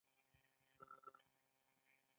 یوازې کار دی چې ټولو توکو ته ارزښت ورکوي